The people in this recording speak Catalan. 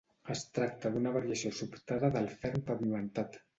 Es tracta d'una variació sobtada del ferm pavimentat.